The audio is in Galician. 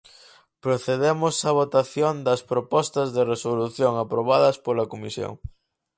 Procedemos á votación das propostas de resolución aprobadas pola Comisión.